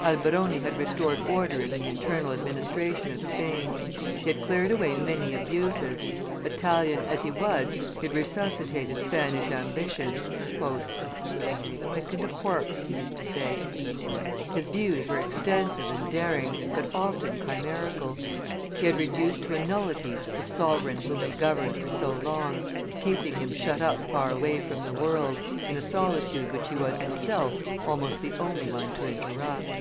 Alberoni had restored order in the internal administration of Spain; he had cleared away many abuses; Italian as he was, he had resuscitated Spanish ambition. "I requickened a corpse," he used to say. His views were extensive and daring, but often chimerical; he had reduced to a nullity the sovereign whom he governed for so long, keeping him shut up far away from the world, in a solitude which he was himself almost the only one to interrupt.